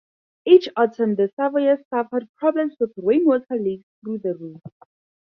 Each autumn the Savoyes suffered problems with rainwater leaks through the roof.